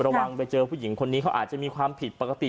ระวังไปเจอผู้หญิงคนนี้เขาอาจจะมีความผิดปกติ